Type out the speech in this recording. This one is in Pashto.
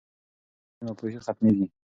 که علم خپور سي، ناپوهي ختمېږي.